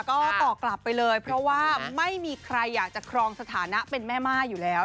ก็ตอบกลับไปเลยเพราะว่าไม่มีใครอยากจะครองสถานะเป็นแม่ม่ายอยู่แล้ว